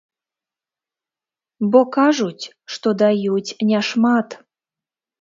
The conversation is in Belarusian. Бо кажуць, што даюць не шмат.